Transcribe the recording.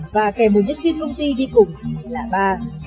và kèm một nhất viên công ty đi cùng là ba